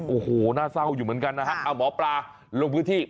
โอ้โหน่าเศร้าอยู่เหมือนกันนะฮะเอาหมอปลาลงพื้นที่